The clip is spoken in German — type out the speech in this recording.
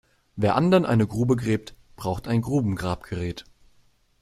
Wer anderen eine Grube gräbt, braucht ein Grubengrabgerät.